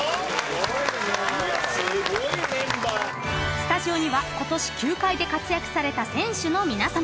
［スタジオにはことし球界で活躍された選手の皆さま］